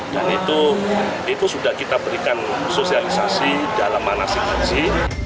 dan itu sudah kita berikan sosialisasi dalam mana situasi